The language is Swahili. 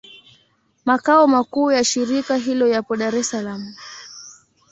Makao makuu ya shirika hilo yapo Dar es Salaam.